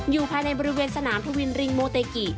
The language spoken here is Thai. อยู่ภายในบริเวณสนามทวินริงโมเตกิ